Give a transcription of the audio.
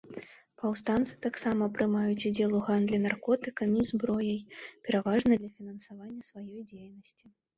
Паўстанцы таксама прымаюць удзел у гандлі наркотыкамі і зброяй, пераважна для фінансавання сваёй дзейнасці.